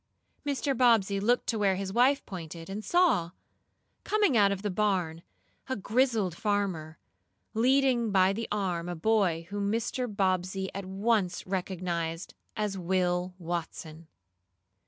Mr. Bobbsey looked to where his wife pointed, and saw, coming out of the barn, a grizzled farmer, leading by the arm a boy whom Mr. Bobbsey at once recognized as Will Watson.